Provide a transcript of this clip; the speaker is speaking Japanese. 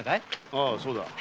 ああそうだ。